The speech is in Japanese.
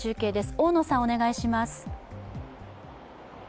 大野さん、お願いします。